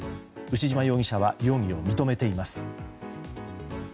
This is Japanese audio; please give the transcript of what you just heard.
牛島容疑者は容疑を認めています。